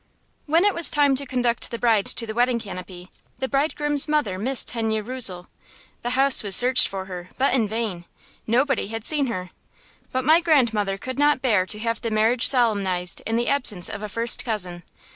When it was time to conduct the bride to the wedding canopy, the bridegroom's mother missed Henne Rösel. The house was searched for her, but in vain. Nobody had seen her. But my grandmother could not bear to have the marriage solemnized in the absence of a first cousin.